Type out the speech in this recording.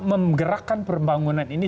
memgerakan pembangunan ini